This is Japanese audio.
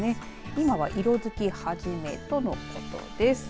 今は色づき始めとのことです。